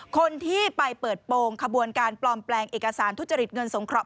คนที่ไปเปิดโปรงขบวนการปลอมแปลงเอกสารทุจริตเงินสงเคราะห